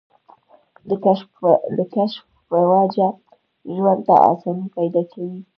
د کشف پۀ وجه ژوند ته اسانۍ پېدا کوي